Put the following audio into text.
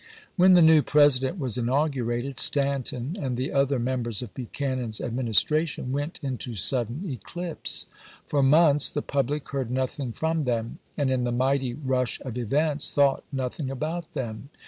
When the new President was inaugurated, Stan ton, and the other members of Buchanan's Adminis tration, went into sudden eclipse. For months the public heard nothing from them, and in the mighty rush of events thought nothing about them.